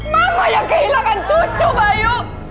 mama yang kehilangan cucu bayu